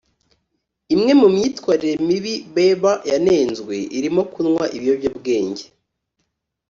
Imwe mu myitwarire mibi Beiber yanenzwe irimo kunywa ibiyobyabwenge